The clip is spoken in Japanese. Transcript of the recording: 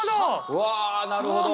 うわなるほど。